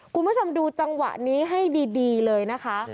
คุณผู้ชมดูจังหวะนี้ให้ดีเลยนะคะ